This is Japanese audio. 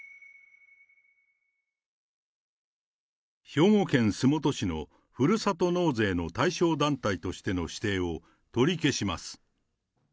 兵庫県洲本市のふるさと納税の対象団体としての指定を取り消します。